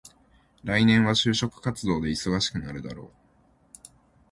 来年は就職活動で忙しくなるだろう。